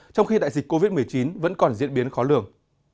trong khi đại dịch covid một mươi chín vẫn còn diễn biến khó lường